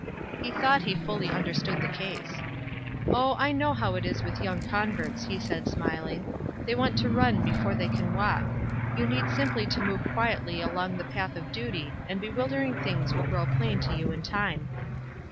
He thought he fully understood the case. {r Oh, I know how it is with young converts," he said, smiling. "They want to run before they can walk. You need simply to move quietly along in the path of duty, and bewilder ing things will grow plain to you in time."